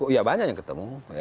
ya banyak yang ketemu